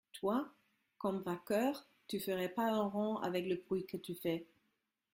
Toi, comme braqueur, tu ferais pas un rond avec le bruit que tu fais.